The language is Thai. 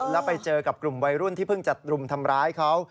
แล้วไปเจอกับกลุ่มวัยรุ่นที่เพิ่งจะรุมทำร้ายเขา